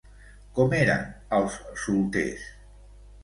Com eren els solters?